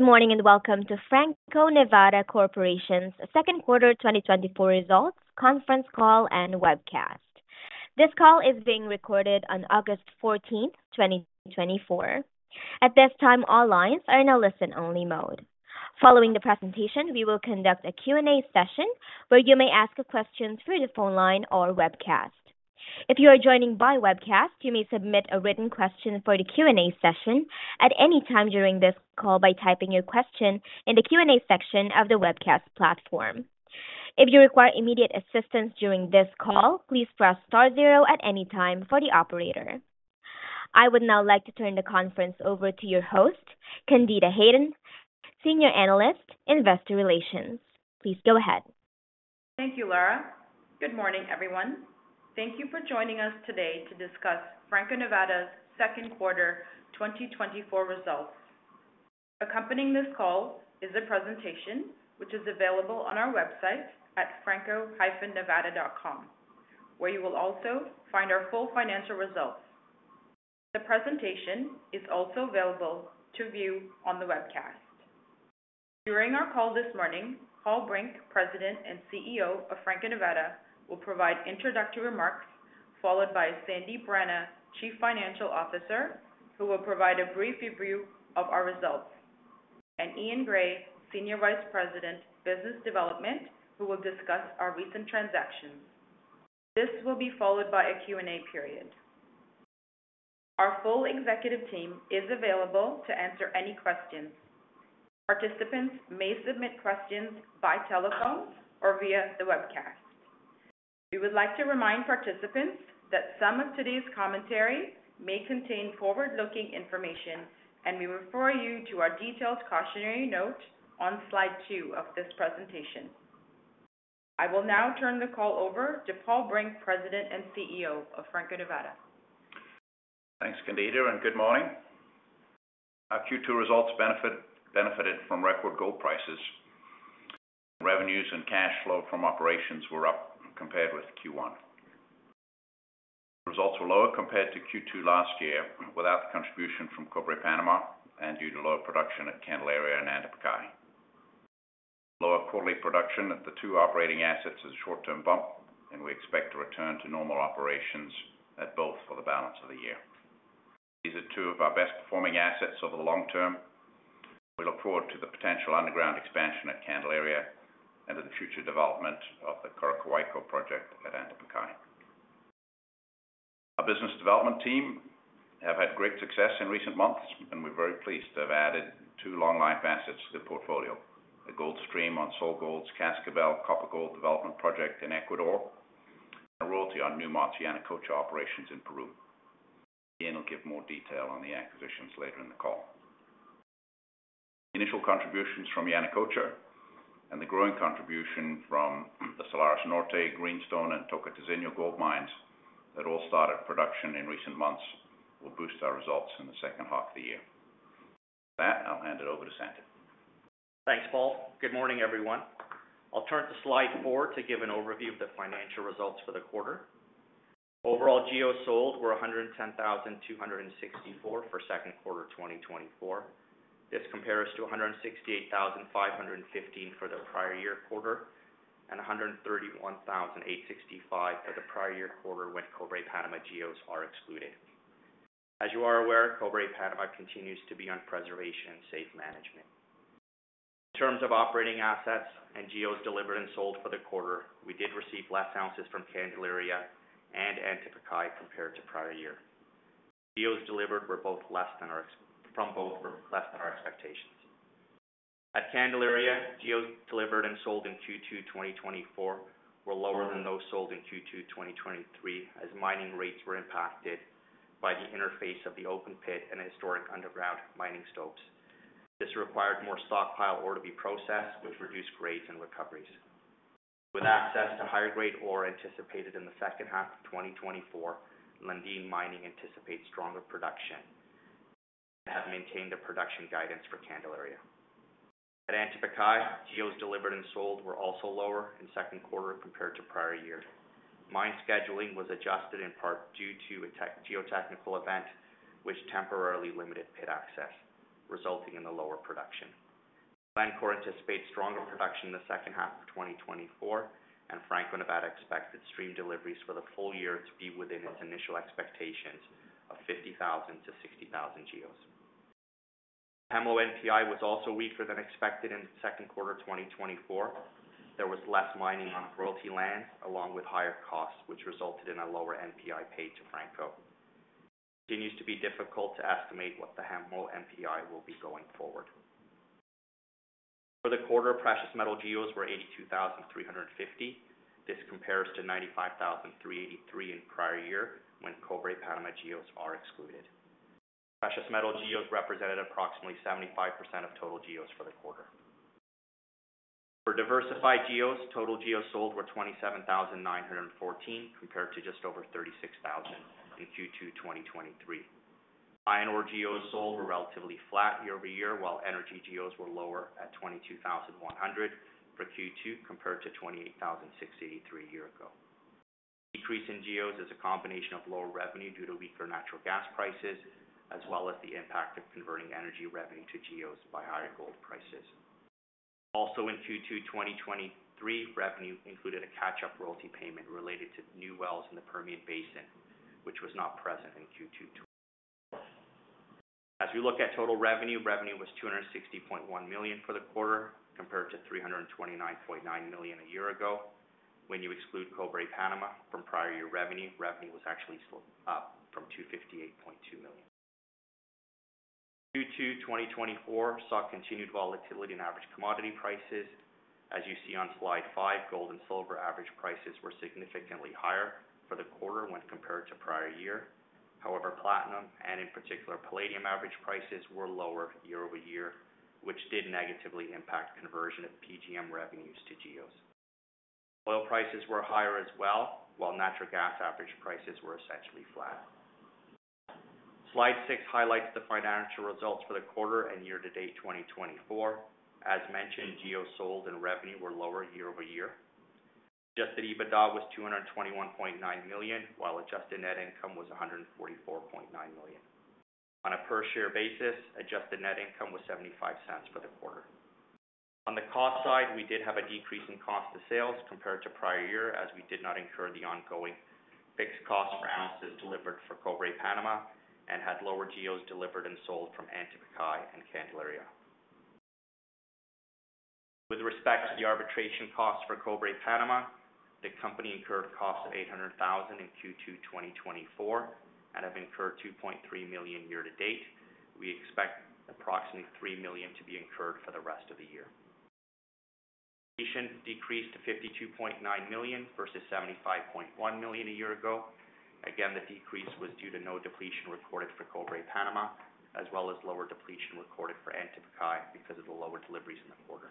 Good morning, and welcome to Franco-Nevada Corporation's Q2 2024 results conference call and webcast. This call is being recorded on August 14, 2024. At this time, all lines are in a listen-only mode. Following the presentation, we will conduct a Q&A session where you may ask a question through the phone line or webcast. If you are joining by webcast, you may submit a written question for the Q&A session at any time during this call by typing your question in the Q&A section of the webcast platform. If you require immediate assistance during this call, please press star zero at any time for the operator. I would now like to turn the conference over to your host, Candida Hayden, Senior Analyst, Investor Relations. Please go ahead. Thank you, Laura. Good morning, everyone. Thank you for joining us today to discuss Franco-Nevada's Q2 2024 results. Accompanying this call is a presentation which is available on our website at franco-nevada.com, where you will also find our full financial results. The presentation is also available to view on the webcast. During our call this morning, Paul Brink, President and CEO of Franco-Nevada, will provide introductory remarks, followed by Sandy Rana, Chief Financial Officer, who will provide a brief review of our results, and Ian Gray, Senior Vice President, Business Development, who will discuss our recent transactions. This will be followed by a Q&A period. Our full executive team is available to answer any questions. Participants may submit questions by telephone or via the webcast. We would like to remind participants that some of today's commentary may contain forward-looking information, and we refer you to our detailed cautionary note on slide two of this presentation. I will now turn the call over to Paul Brink, President and CEO of Franco-Nevada. Thanks, Candida, and good morning. Our Q2 results benefit, benefited from record gold prices. Revenues and cash flow from operations were up compared with Q1. Results were lower compared to Q2 last year, without the contribution from Cobre Panama and due to lower production at Candelaria and Antamina. Lower quarterly production at the two operating assets is a short-term bump, and we expect to return to normal operations at both for the balance of the year. These are two of our best-performing assets over the long term. We look forward to the potential underground expansion at Candelaria and the future development of the Coroccohuayco or Michiquillay project at Antamina. Our business development team have had great success in recent months, and we're very pleased to have added two long-life assets to the portfolio: the Gold Stream on SolGold's Cascabel copper-gold development project in Ecuador, and a royalty on Newmont's Yanacocha operations in Peru. Ian will give more detail on the acquisitions later in the call. Initial contributions from Yanacocha and the growing contribution from the Salares Norte, Greenstone, and Tocantinzinho gold mines that all started production in recent months, will boost our results in the H1 of the year. With that, I'll hand it over to Sandy. Thanks, Paul. Good morning, everyone. I'll turn to slide 4 to give an overview of the financial results for the quarter. Overall, GEOs sold were 110,264 for Q2 2024. This compares to 168,515 for the prior year quarter, and 131,865 for the prior year quarter, when Cobre Panama GEOs are excluded. As you are aware, Cobre Panama continues to be on preservation and safe management. In terms of operating assets and GEOs delivered and sold for the quarter, we did receive less ounces from Candelaria and Antamina compared to prior year. GEOs delivered were both less than our expectations. At Candelaria, GEOs delivered and sold in Q2 2024 were lower than those sold in Q2 2023, as mining rates were impacted by the interface of the open pit and historic underground mining stopes. This required more stockpile ore to be processed, which reduced grades and recoveries. With access to higher-grade ore anticipated in the H1 of 2024, Lundin Mining anticipates stronger production and have maintained a production guidance for Candelaria. At Antamina, GEOs delivered and sold were also lower in Q2 compared to prior years. Mine scheduling was adjusted in part due to a geotechnical event, which temporarily limited pit access, resulting in the lower production. Glencore anticipates stronger production in the H1 of 2024, and Franco-Nevada expects its stream deliveries for the full year to be within its initial expectations of 50,000-60,000 GEOs. Hemlo NPI was also weaker than expected in the Q2 of 2024. There was less mining on royalty land, along with higher costs, which resulted in a lower NPI paid to Franco. It continues to be difficult to estimate what the Hemlo NPI will be going forward. For the quarter, precious metal GEOs were 82,350. This compares to 95,383 in prior year, when Cobre Panama GEOs are excluded. Precious metal GEOs represented approximately 75% of total GEOs for the quarter. For diversified GEOs, total GEOs sold were 27,914, compared to just over 36,000 in Q2 2023. Iron ore GEOs sold were relatively flat year-over-year, while energy GEOs were lower at 22,100 for Q2, compared to 28,683 a year ago. Decrease in GEOs is a combination of lower revenue due to weaker natural gas prices, as well as the impact of converting energy revenue to GEOs by higher gold prices. Also, in Q2 2023, revenue included a catch-up royalty payment related to new wells in the Permian Basin, which was not present in Q2 2024. As we look at total revenue, revenue was $260.1 million for the quarter, compared to $329.9 million a year ago. When you exclude Cobre Panama from prior year revenue, revenue was actually still up from $258.2 million. Q2 2024 saw continued volatility in average commodity prices. As you see on slide 5, gold and silver average prices were significantly higher for the quarter when compared to prior year. However, platinum, and in particular, palladium average prices were lower year-over-year, which did negatively impact conversion of PGM revenues to GEOs. Oil prices were higher as well, while natural gas average prices were essentially flat. Slide six highlights the financial results for the quarter and year to date, 2024. As mentioned, GEOs sold and revenue were lower year-over-year. Adjusted EBITDA was $221.9 million, while adjusted net income was $144.9 million. On a per share basis, adjusted net income was $0.75 for the quarter. On the cost side, we did have a decrease in cost of sales compared to prior year, as we did not incur the ongoing fixed cost for ounces delivered for Cobre Panama and had lower GEOs delivered and sold from Antamina and Candelaria. With respect to the arbitration cost for Cobre Panama, the company incurred costs of $800,000 in Q2 2024, and have incurred $2.3 million year to date. We expect approximately $3 million to be incurred for the rest of the year. Decreased to $52.9 million versus $75.1 million a year ago. Again, the decrease was due to no depletion recorded for Cobre Panama, as well as lower depletion recorded for Antamina because of the lower deliveries in the quarter.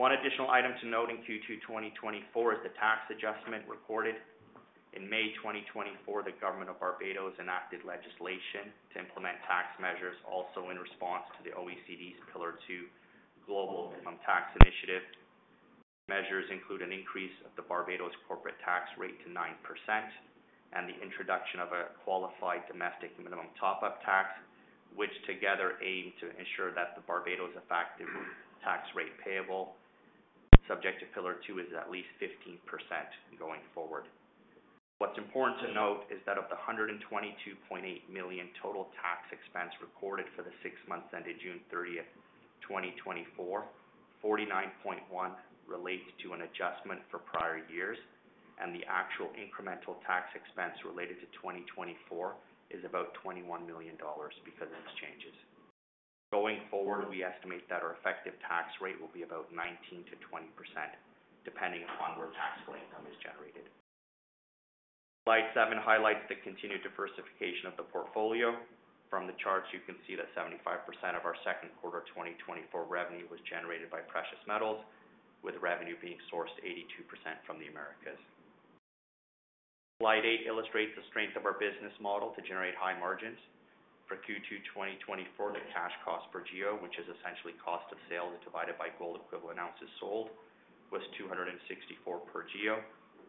One additional item to note in Q2 2024 is the tax adjustment recorded. In May 2024, the government of Barbados enacted legislation to implement tax measures also in response to the OECD's Pillar Two global minimum tax initiative. Measures include an increase of the Barbados corporate tax rate to 9%, and the introduction of a qualified domestic minimum top-up tax, which together aim to ensure that the Barbados effective tax rate payable, subject to Pillar Two, is at least 15% going forward. What's important to note is that of the $122.8 million total tax expense recorded for the six months ended June 30, 2024, $49.1 million relates to an adjustment for prior years, and the actual incremental tax expense related to 2024 is about $21 million because of these changes. Going forward, we estimate that our effective tax rate will be about 19%-20%, depending upon where taxable income is generated. Slide seven highlights the continued diversification of the portfolio. From the charts, you can see that 75% of our Q2 2024 revenue was generated by precious metals, with revenue being sourced 82% from the Americas. Slide 8 illustrates the strength of our business model to generate high margins. For Q2 2024, the cash cost per GEO, which is essentially cost of sales divided by gold equivalent ounces sold, was $264 per GEO.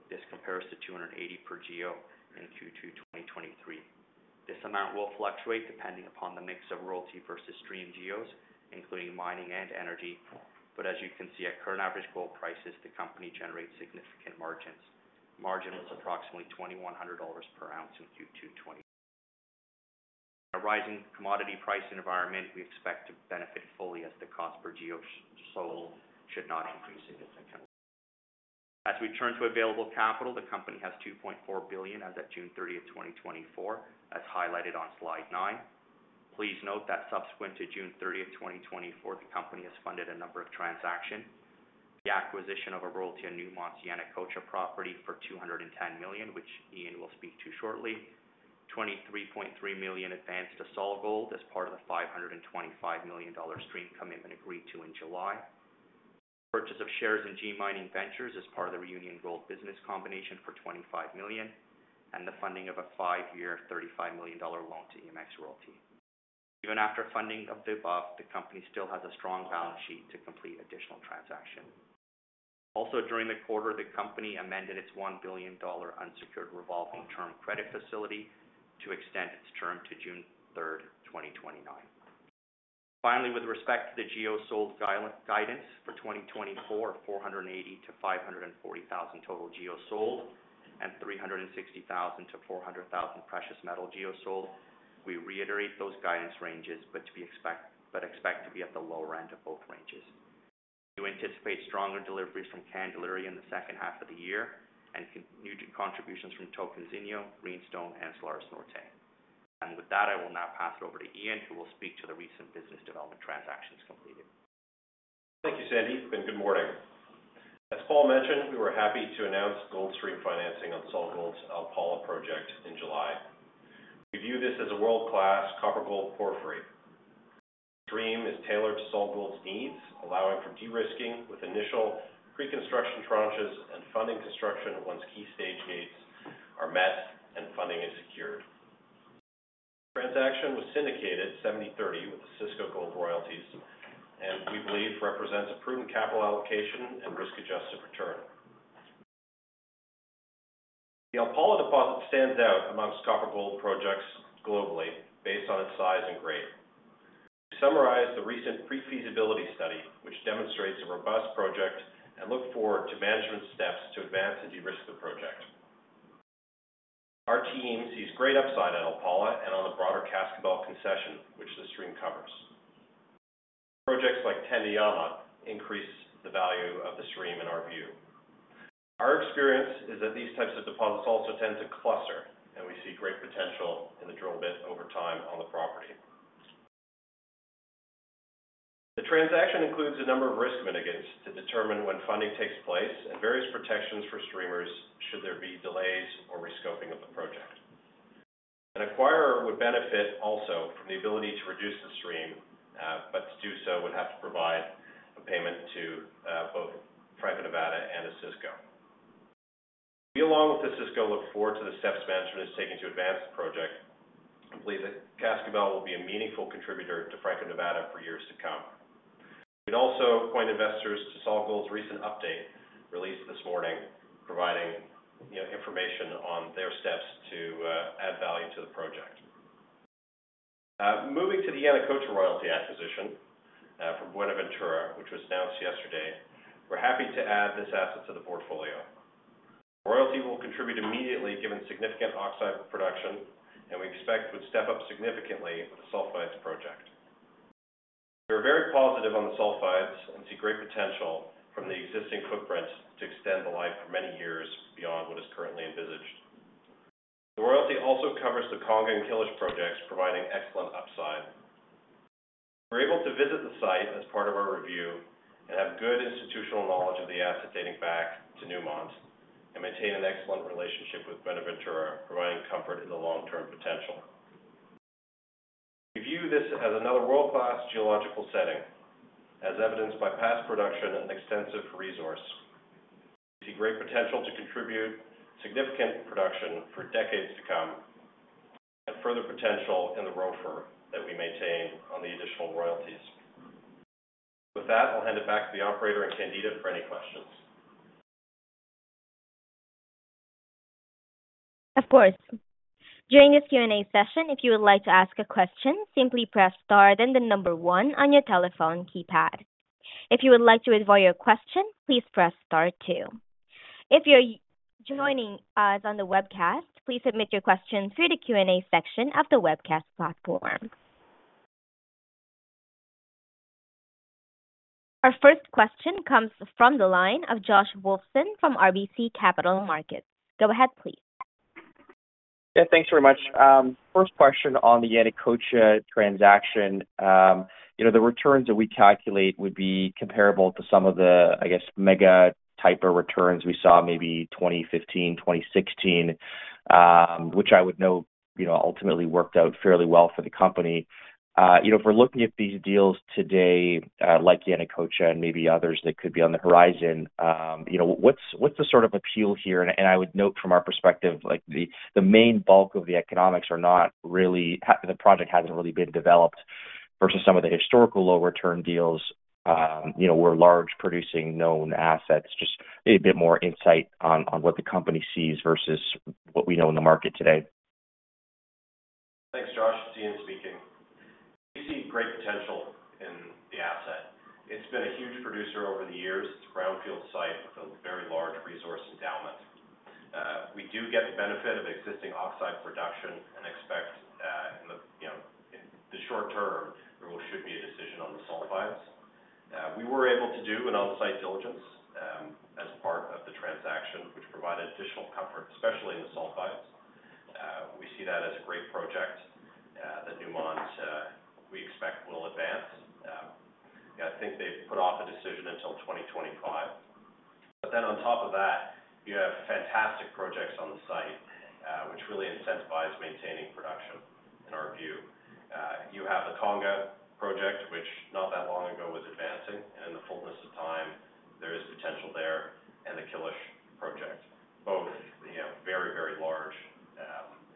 This compares to $280 per GEO in Q2 2023. This amount will fluctuate depending upon the mix of royalty versus stream GEOs, including mining and energy. But as you can see, at current average gold prices, the company generates significant margins. Margin is approximately $2,100 per ounce in Q2 2024. A rising commodity pricing environment, we expect to benefit fully as the cost per GEO sold should not increase significantly. As we turn to available capital, the company has $2.4 billion as at June 30, 2024, as highlighted on slide 9. Please note that subsequent to June 30, 2024, the company has funded a number of transactions. The acquisition of a royalty in Newmont's Yanacocha property for $210 million, which Ian will speak to shortly. $23.3 million advanced to SolGold as part of the $525 million stream commitment agreed to in July. Purchase of shares in G Mining Ventures as part of the Reunion Gold business combination for $25 million, and the funding of a 5-year, $35 million loan to EMX Royalty. Even after funding of the above, the company still has a strong balance sheet to complete additional transactions. Also, during the quarter, the company amended its $1 billion unsecured revolving term credit facility to extend its term to June 3, 2029. Finally, with respect to the GEO sold guidance for 2024, 480,000-540,000 total GEOs sold, and 360,000-400,000 precious metal GEOs sold, we reiterate those guidance ranges, but we expect to be at the lower end of both ranges. We anticipate stronger deliveries from Candelaria in the H1 of the year, and continued contributions from Tocantinzinho, Greenstone, and Salares Norte. And with that, I will now pass it over to Ian, who will speak to the recent business development transactions completed. Thank you, Sandy, and good morning. As Paul mentioned, we were happy to announce gold stream financing on SolGold's Alpala project in July. We view this as a world-class comparable porphyry. Stream is tailored to SolGold's needs, allowing for de-risking with initial preconstruction tranches and funding construction once key stage needs are met. Syndicated 70-30 with Osisko Gold Royalties, and we believe represents a prudent capital allocation and risk-adjusted return. The Alpala deposit stands out among copper gold projects globally based on its size and grade. To summarize the recent pre-feasibility study, which demonstrates a robust project and look forward to management steps to advance and de-risk the project. Our team sees great upside at Alpala and on the broader Cascabel concession, which the stream covers. Projects like Tandayama increase the value of the stream, in our view. Our experience is that these types of deposits also tend to cluster, and we see great potential in the drill bit over time on the property. The transaction includes a number of risk mitigants to determine when funding takes place, and various protections for streamers should there be delays or rescoping of the project. An acquirer would benefit also from the ability to reduce the stream, but to do so would have to provide a payment to both Franco-Nevada and Osisko. We, along with Osisko, look forward to the steps management has taken to advance the project, and believe that Cascabel will be a meaningful contributor to Franco-Nevada for years to come. We'd also point investors to SolGold's recent update, released this morning, providing, you know, information on their steps to add value to the project. Moving to the Yanacocha royalty acquisition from Buenaventura, which was announced yesterday. We're happy to add this asset to the portfolio. Royalty will contribute immediately, given significant oxide production, and we expect would step up significantly with the sulfides project. We are very positive on the sulfides and see great potential from the existing footprint to extend the life for many years beyond what is currently envisaged. The royalty also covers the Conga and Quilish projects, providing excellent upside. We're able to visit the site as part of our review and have good institutional knowledge of the asset dating back to Newmont and maintain an excellent relationship with Buenaventura, providing comfort in the long-term potential. We view this as another world-class geological setting, as evidenced by past production and extensive resource. We see great potential to contribute significant production for decades to come, and further potential in the ROFR that we maintain on the additional royalties. With that, I'll hand it back to the operator and Candida for any questions. Of course. During this Q&A session, if you would like to ask a question, simply press star then the number one on your telephone keypad. If you would like to withdraw your question, please press star two. If you're joining us on the webcast, please submit your questions through the Q&A section of the webcast platform. Our first question comes from the line of Josh Wolfson from RBC Capital Markets. Go ahead, please. Yeah, thanks very much. First question on the Yanacocha transaction. You know, the returns that we calculate would be comparable to some of the, I guess, mega type of returns we saw maybe 2015, 2016, which I would now, you know, ultimately worked out fairly well for the company. You know, if we're looking at these deals today, like Yanacocha and maybe others that could be on the horizon, you know, what's, what's the sort of appeal here? And, and I would note from our perspective, like, the, the main bulk of the economics are not really... the project hasn't really been developed versus some of the historical low return deals, you know, were large, producing known assets. Just a bit more insight on, on what the company sees versus what we know in the market today. Thanks, Josh. Ian speaking. We see great potential in the asset. It's been a huge producer over the years. It's a brownfield site with a very large resource endowment. We do get the benefit of existing oxide production and expect, you know, in the short term, there should be a decision on the sulfides. We were able to do an on-site diligence as part of the transaction, which provided additional comfort, especially in the sulfides. We see that as a great project that Newmont, we expect, will advance. I think they've put off a decision until 2025. But then on top of that, you have fantastic projects on the site, which really incentivizes maintaining production, in our view. You have the Conga project, which not that long ago was advancing, and in the fullness of time, there is potential there, and the Quilish project, both, you know, very, very large.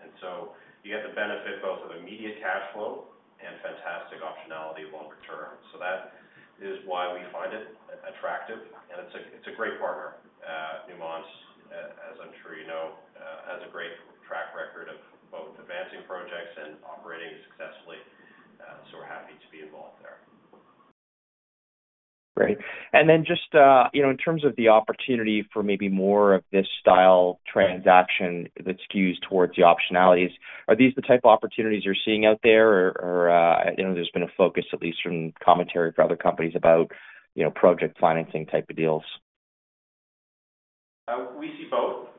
And so you get the benefit both of immediate cash flow and fantastic optionality longer term. So that is why we find it attractive, and it's a, it's a great partner. Newmont, as I'm sure you know, has a great track record of both advancing projects and operating successfully. So we're happy to be involved there. Great. And then just, you know, in terms of the opportunity for maybe more of this style transaction that skews towards the optionalities, are these the type of opportunities you're seeing out there? Or, you know, there's been a focus, at least from commentary from other companies about, you know, project financing type of deals. We see both.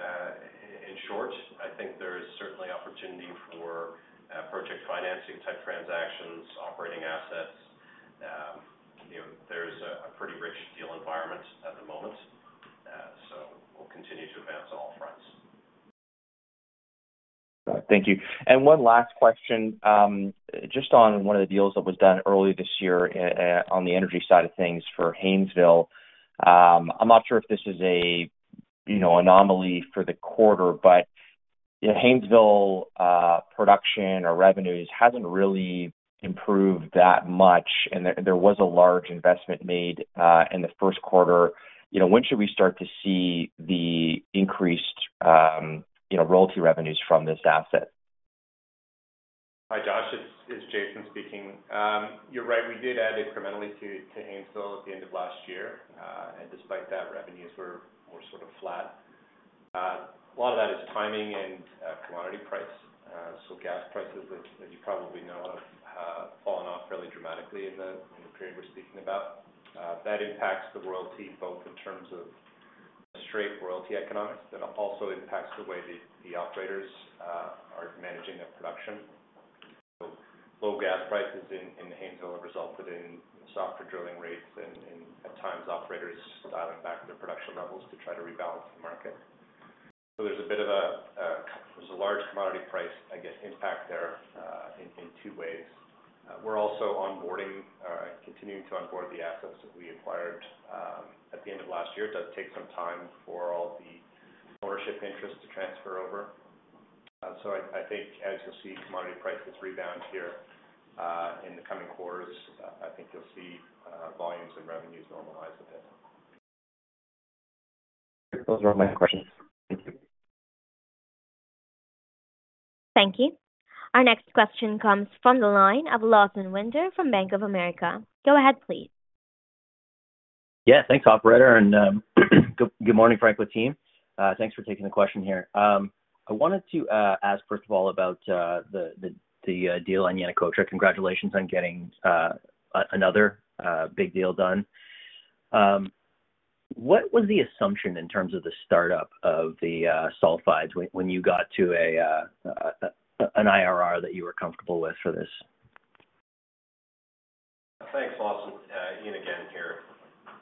In short, I think there is certainly opportunity for project financing type transactions, operating assets. You know, there's a pretty rich deal environment at the moment, so we'll continue to advance on all fronts. Thank you. And one last question, just on one of the deals that was done early this year, on the energy side of things for Haynesville. I'm not sure if this is, you know, an anomaly for the quarter. But, yeah, Haynesville production or revenues hasn't really improved that much, and there was a large investment made in the Q1. You know, when should we start to see the increased, you know, royalty revenues from this asset? Hi, Josh, it's Jason speaking. You're right, we did add incrementally to Haynesville at the end of last year, and despite that, revenues were more sort of flat. A lot of that is timing and commodity price. So gas prices, which, as you probably know, have fallen off fairly dramatically in the period we're speaking about. That impacts the royalty, both in terms of straight royalty economics, but it also impacts the way the operators are managing their production. So low gas prices in Haynesville have resulted in softer drilling rates and at times, operators dialing back their production levels to try to rebalance the market. So there's a bit of a, there's a large commodity price, I guess, impact there, in two ways. We're also onboarding, continuing to onboard the assets that we acquired at the end of last year. It does take some time for all the ownership interests to transfer over. So I think as you'll see commodity prices rebound here, in the coming quarters, I think you'll see volumes and revenues normalize a bit. Those were all my questions. Thank you. Thank you. Our next question comes from the line of Lawson Winder from Bank of America. Go ahead, please. Yeah, thanks, operator. And good morning, Franco team. Thanks for taking the question here. I wanted to ask, first of all, about the deal on Yanacocha. Congratulations on getting another big deal done. What was the assumption in terms of the startup of the sulfides when you got to an IRR that you were comfortable with for this? Thanks, Lawson. Ian, again, here.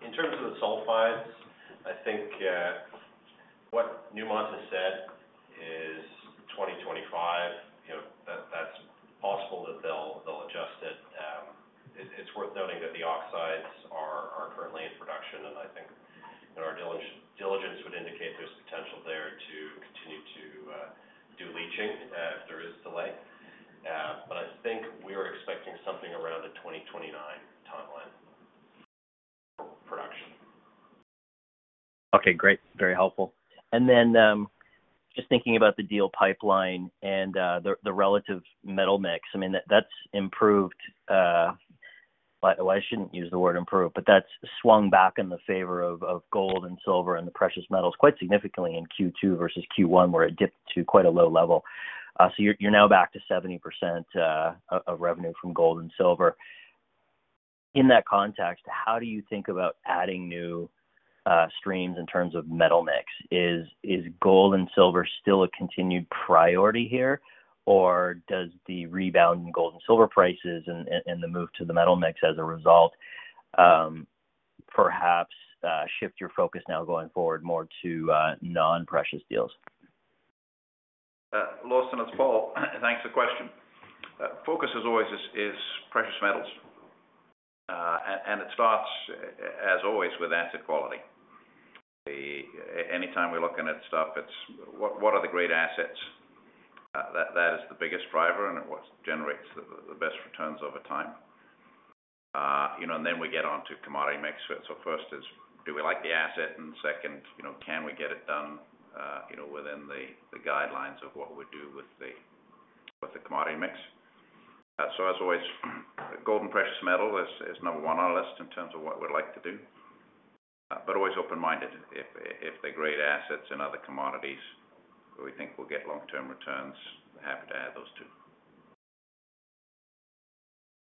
In terms of the sulfides, I think what Newmont has said is 2025, you know, that's possible that they'll adjust it. It's worth noting that the oxides are currently in production, and I think that our diligence would indicate there's potential there to continue to do leaching if there is delay. But I think we are expecting something around the 2029 timeline for production. Okay, great. Very helpful. And then, just thinking about the deal pipeline and the relative metal mix, I mean, that's improved. But I shouldn't use the word improve, but that's swung back in the favor of gold and silver and the precious metals quite significantly in Q2 versus Q1, where it dipped to quite a low level. So you're now back to 70% of revenue from gold and silver. In that context, how do you think about adding new streams in terms of metal mix? Is gold and silver still a continued priority here, or does the rebound in gold and silver prices and the move to the metal mix as a result, perhaps shift your focus now going forward more to non-precious deals? Lawson, it's Paul. Thanks for the question. Focus is always precious metals, and it starts as always with asset quality. Anytime we're looking at stuff, it's what are the great assets? That is the biggest driver and what generates the best returns over time. You know, and then we get on to commodity mix. So first is, do we like the asset? And second, you know, can we get it done, you know, within the guidelines of what we do with the commodity mix? So as always, gold and precious metal is number one on our list in terms of what we'd like to do, but always open-minded. If they're great assets and other commodities that we think will get long-term returns, we're happy to add those, too.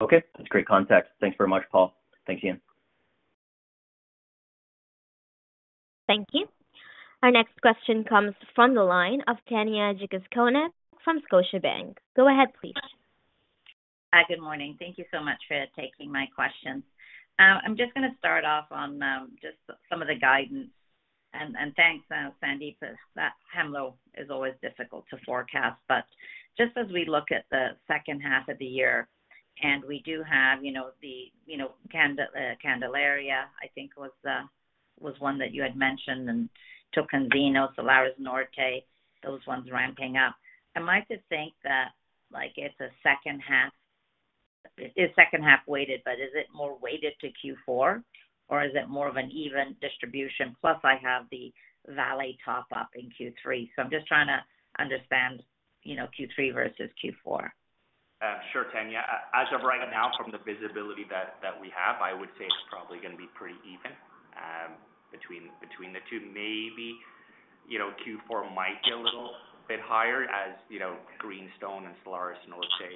Okay, that's great context. Thanks very much, Paul. Thanks, Ian. Thank you. Our next question comes from the line of Tanya Jakusconek, from Scotiabank. Go ahead, please. Hi, good morning. Thank you so much for taking my questions. I'm just gonna start off on just some of the guidance. And thanks, Sandip, for that. Hemlo is always difficult to forecast, but just as we look at the H1 of the year, and we do have, you know, the Candelaria, I think, was the one that you had mentioned, and Tocantinzinho, Salares Norte, those ones ramping up. Am I to think that, like, it's a H1, it's H1-weighted, but is it more weighted to Q4, or is it more of an even distribution? Plus, I have the Valley top-up in Q3. So I'm just trying to understand, you know, Q3 versus Q4. Sure, Tanya. As of right now, from the visibility that we have, I would say it's probably gonna be pretty even between the two. Maybe, you know, Q4 might be a little bit higher, as you know, Greenstone and Salares Norte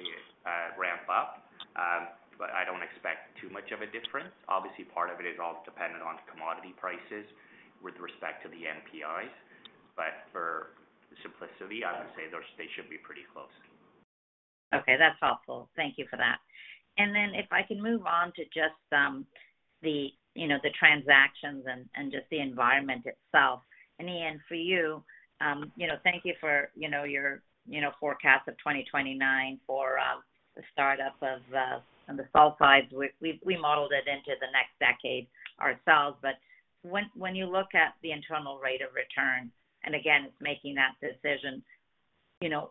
ramp up. But I don't expect too much of a difference. Obviously, part of it is all dependent on commodity prices with respect to the NPIs. But for simplicity, I would say those they should be pretty close. Okay, that's helpful. Thank you for that. And then if I can move on to just the you know the transactions and just the environment itself. And Ian, for you, you know thank you for you know your you know forecast of 2029 for the startup of on the sulfides. We modeled it into the next decade ourselves. But when you look at the internal rate of return, and again, it's making that decision-... You know,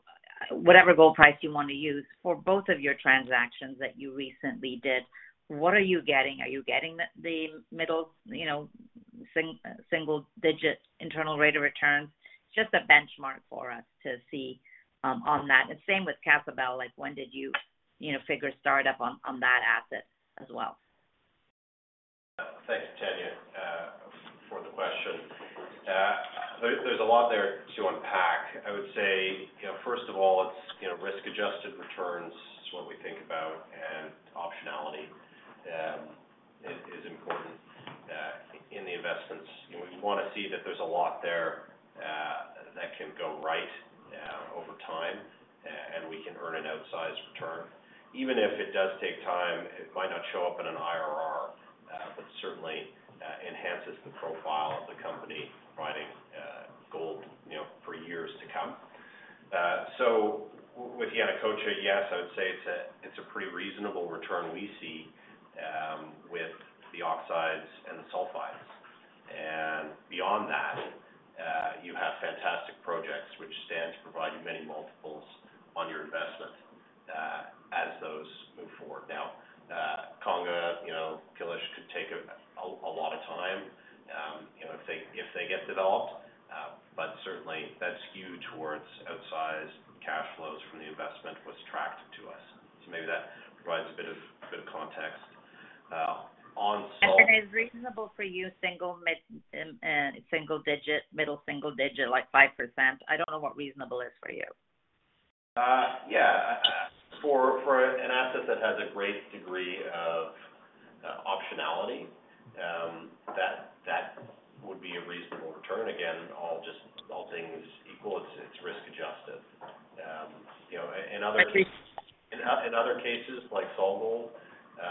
whatever gold price you want to use for both of your transactions that you recently did, what are you getting? Are you getting the, the middle, you know, single digit internal rate of return? Just a benchmark for us to see on that. And same with Cascabel, like, when did you, you know, figure start up on, on that asset as well? Thanks, Tanya, for the question. There, there's a lot there to unpack. I would say, you know, first of all, it's, you know, risk-adjusted returns is what we think about, and optionality is important in the investments. You know, we wanna see that there's a lot there that can go right over time, and we can earn an outsized return. Even if it does take time, it might not show up in an IRR, but certainly enhances the profile of the company providing gold, you know, for years to come. So with Yanacocha, yes, I would say it's a pretty reasonable return we see with the oxides and the sulfides. And beyond that, you have fantastic projects which stand to provide you many multiples on your investment as those move forward. Now, Conga, you know, Quilish could take a lot of time, you know, if they, if they get developed, but certainly that's skewed towards outsized cash flows from the investment, what's attractive to us. So maybe that provides a bit of, bit of context. On Sol- Is reasonable for you, single mid, single digit, middle single digit, like 5%? I don't know what reasonable is for you. Yeah, for an asset that has a great degree of optionality, that would be a reasonable return. Again, all things equal, it's risk adjusted. You know, in other- Agreed. In other cases, like SolGold,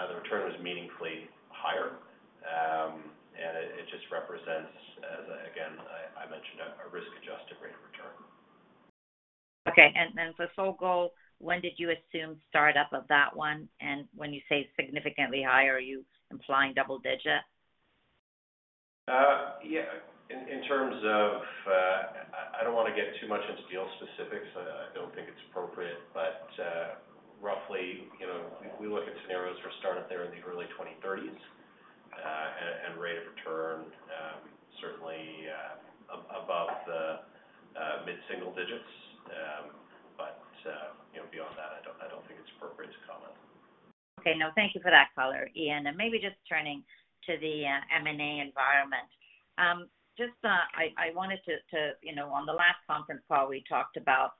the return was meaningfully higher, and it just represents, as again I mentioned, a risk-adjusted rate of return. Okay. And for SolGold, when did you assume start up of that one? And when you say significantly higher, are you implying double digit? Yeah, in terms of, I don't wanna get too much into deal specifics. I don't think it's appropriate, but roughly, you know, if we look at scenarios for start up there in the early 2030s, and rate of return, certainly above the mid-single digits. But you know, beyond that, I don't think it's appropriate to comment. Okay, no, thank you for that color, Ian. Maybe just turning to the M&A environment. Just, I wanted to, you know, on the last conference call, we talked about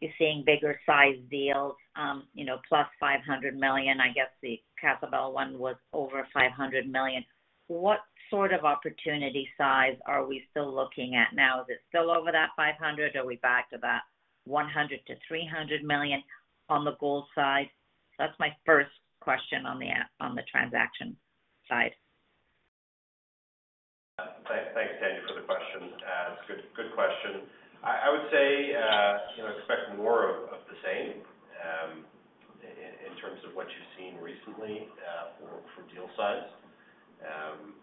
you seeing bigger sized deals, you know, plus $500 million. I guess the Cascabel one was over $500 million. What sort of opportunity size are we still looking at now? Is it still over that $500, or are we back to that $100 million-$300 million on the gold side? That's my first question on the M&A, on the transaction side. Thanks, Tanya, for the question. It's a good, good question. I would say, you know, expect more of the same, in terms of what you've seen recently, for deal size.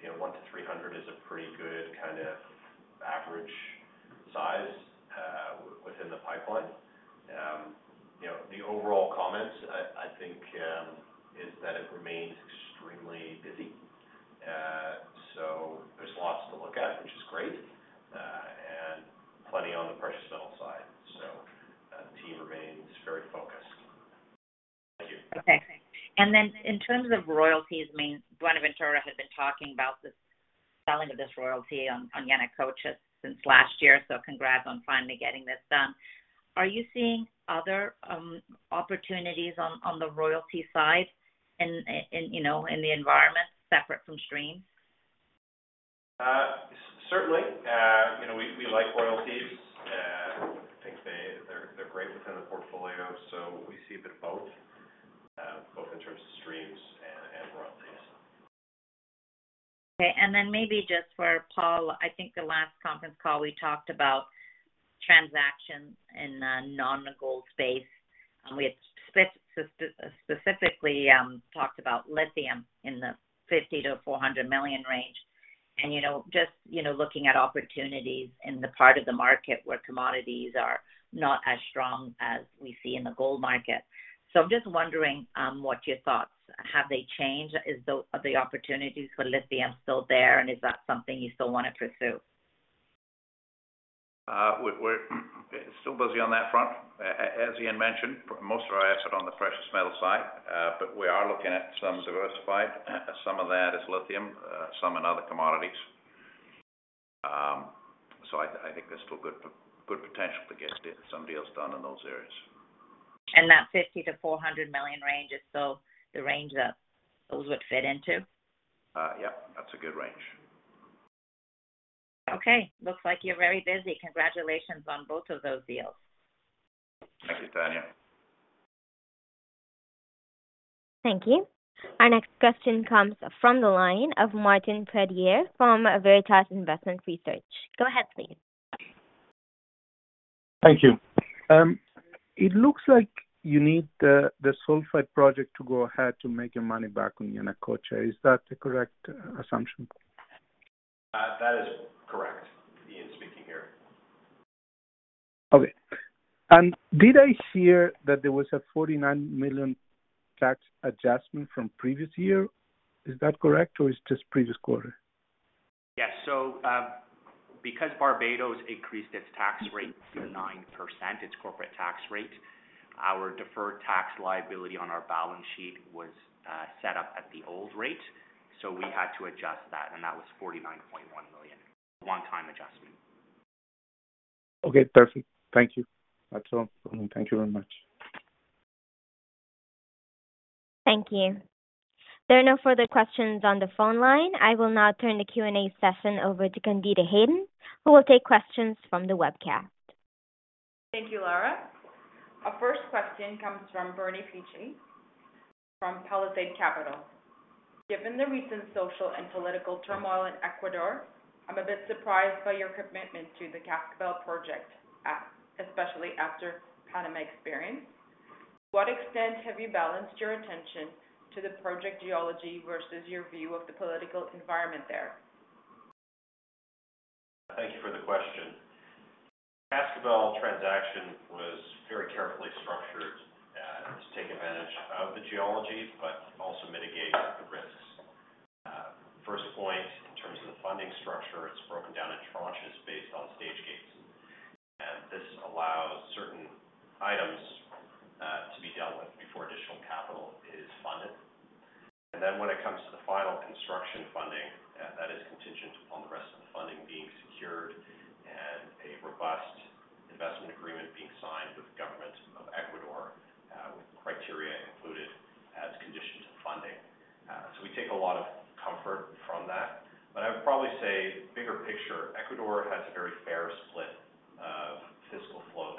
You know, $1-$300 is a pretty good kind of average size, within the pipeline. You know, the overall comments, I think, is that it remains extremely busy. So there's lots to look at, which is great, and plenty on the precious metal side. So, the team remains very focused. Thank you. Okay. And then in terms of royalties, I mean, Buenaventura has been talking about the selling of this royalty on Yanacocha since last year, so congrats on finally getting this done. Are you seeing other opportunities on the royalty side in you know in the environment separate from streams? Certainly, you know, we like royalties. I think they're great within the portfolio, so we see them both in terms of streams and royalties. Okay, and then maybe just for Paul, I think the last conference call, we talked about transactions in a non-gold space. We had specifically talked about lithium in the $50 million-$400 million range. And, you know, just, you know, looking at opportunities in the part of the market where commodities are not as strong as we see in the gold market. So I'm just wondering what your thoughts, have they changed? Is the, are the opportunities for lithium still there, and is that something you still wanna pursue? We're still busy on that front. As Ian mentioned, most of our assets on the precious metal side, but we are looking at some diversified. Some of that is lithium, some in other commodities. So I think there's still good potential to get some deals done in those areas. That $50 million-$400 million range is still the range that those would fit into? Yep, that's a good range. Okay, looks like you're very busy. Congratulations on both of those deals. Thank you, Tanya. Thank you. Our next question comes from the line of Martin Pradier from Veritas Investment Research. Go ahead, please. Thank you. It looks like you need the sulfide project to go ahead to make your money back on Yanacocha. Is that the correct assumption?... That is correct. Ian speaking here. Okay. Did I hear that there was a $49 million tax adjustment from previous year? Is that correct, or it's just previous quarter? Yes. So, because Barbados increased its tax rate to 9%, its corporate tax rate, our deferred tax liability on our balance sheet was set up at the old rate, so we had to adjust that, and that was $49.1 million, one-time adjustment. Okay, perfect. Thank you. That's all. Thank you very much. Thank you. There are no further questions on the phone line. I will now turn the Q&A session over to Candida Hayden, who will take questions from the webcast. Thank you, Laura. Our first question comes from Bernard Picchi from Palisade Capital. Given the recent social and political turmoil in Ecuador, I'm a bit surprised by your commitment to the Cascabel project, especially after Panama experience. What extent have you balanced your attention to the project geology versus your view of the political environment there? Thank you for the question. Cascabel transaction was very carefully structured to take advantage of the geology, but also mitigate the risks. First point, in terms of the funding structure, it's broken down in tranches based on stage gates, and this allows certain items to be dealt with before additional capital is funded. And then when it comes to the final construction funding, that is contingent upon the rest of the funding being secured and a robust investment agreement being signed with the government of Ecuador, with criteria included as conditions of funding. So we take a lot of comfort from that. But I would probably say, bigger picture, Ecuador has a very fair split of fiscal flows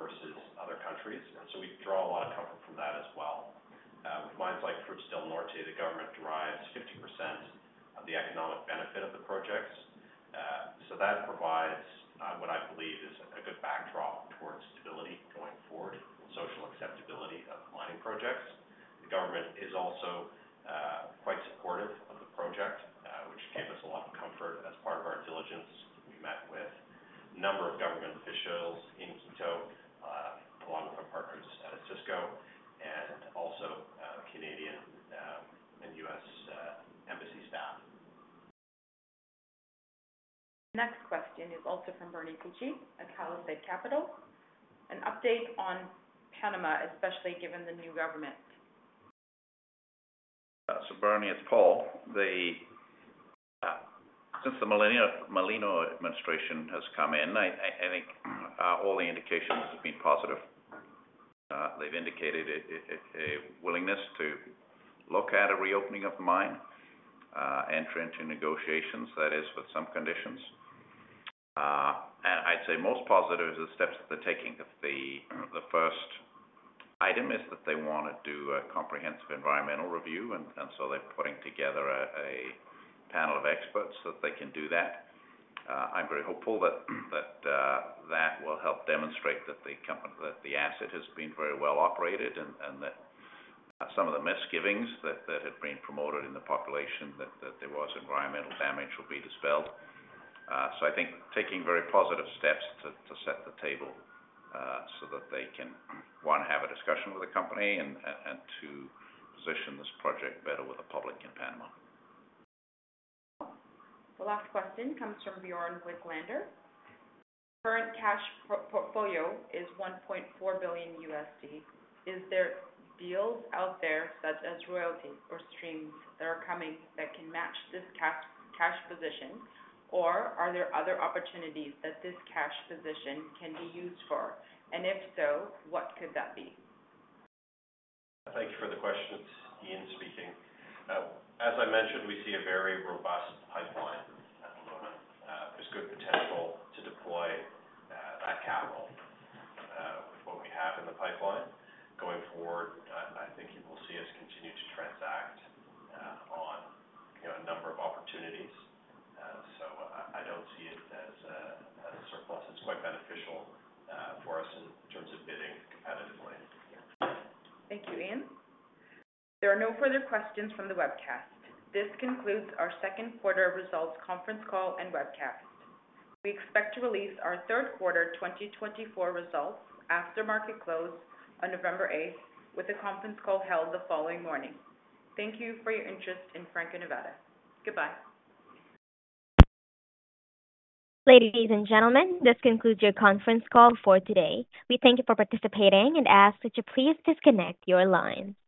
versus other countries, so we draw a lot of comfort from that as well. With mines like Fruta del Norte, the government derives 50% of the economic benefit of the projects, so that provides what I believe is a good backdrop towards stability going forward, social acceptability of mining projects. The government is also quite supportive of the project, which gave us a lot of comfort. As part of our diligence, we met with a number of government officials in Quito, along with our partners at SolGold and also Canadian and US embassy staff. Next question is also from Bernie Pucci at Palisade Capital. An update on Panama, especially given the new government? So, Bernie, it's Paul. Since the Mulino administration has come in, I think all the indications have been positive. They've indicated a willingness to look at a reopening of the mine, enter into negotiations, that is, with some conditions. And I'd say most positive is the steps that they're taking. The first item is that they want to do a comprehensive environmental review, and so they're putting together a panel of experts so that they can do that. I'm very hopeful that that will help demonstrate that the company, that the asset has been very well operated and that some of the misgivings that had been promoted in the population, that there was environmental damage will be dispelled. So I think taking very positive steps to set the table so that they can, one, have a discussion with the company and two, position this project better with the public in Panama. The last question comes from Bjorn Wiklander. Current cash portfolio is $1.4 billion. Is there deals out there, such as royalty or streams, that are coming that can match this cash, cash position? Or are there other opportunities that this cash position can be used for? And if so, what could that be? Thank you for the question. It's Ian speaking. As I mentioned, we see a very robust pipeline at the moment. There's good potential to deploy that capital with what we have in the pipeline. Going forward, I think you will see us continue to transact on, you know, a number of opportunities. So I don't see it as a surplus. It's quite beneficial for us in terms of bidding competitively. Thank you, Ian. There are no further questions from the webcast. This concludes our Q2 results conference call and webcast. We expect to release our Q3 2024 results after market close on November eighth, with a conference call held the following morning. Thank you for your interest in Franco-Nevada. Goodbye. Ladies and gentlemen, this concludes your conference call for today. We thank you for participating and ask that you please disconnect your line.